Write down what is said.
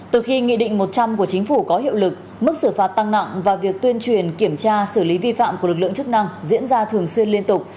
từ khi nghị định một trăm linh của chính phủ có hiệu lực mức xử phạt tăng nặng và việc tuyên truyền kiểm tra xử lý vi phạm của lực lượng chức năng diễn ra thường xuyên liên tục